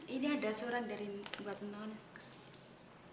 ini ada surat dari buat non